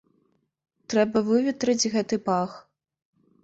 Трэба выветрыць гэты пах.